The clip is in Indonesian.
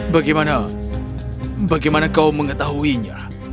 bagaimana bagaimana kau mengetahuinya